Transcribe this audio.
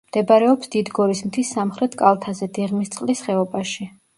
მდებარეობს დიდგორის მთის სამხრეთ კალთაზე, დიღმისწყლის ხეობაში.